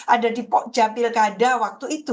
ada di jabil kada waktu itu